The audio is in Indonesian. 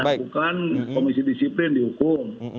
lakukan komisi disiplin dihukum